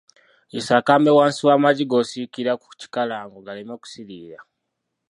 Yisa akambe wansi w'amagi g'osiikira ku kikalango galeme kusiiriira.